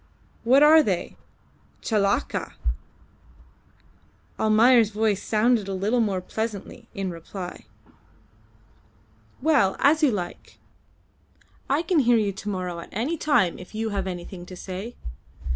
What are they? Chelakka!" Almayer's voice sounded a little more pleasantly in reply. "Well, as you like. I can hear you to morrow at any time if you have anything to say.